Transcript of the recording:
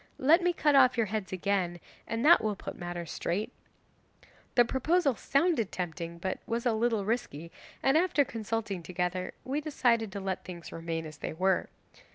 Let me cut off your heads again, and that will put matters straight." The proposal sounded tempting, but was a little risky, and after consulting together we decided to let things remain as they were.